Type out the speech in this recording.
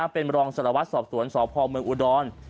เป็นรองสลวัสด์สอบสวนสพเมืองอุดรอน